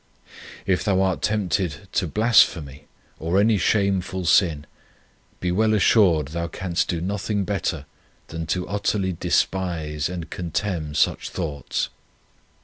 If thouart tempted to blasphemy or any shameful sin, be well assured thou canst do nothing better than to utterly despise and contemn such thoughts.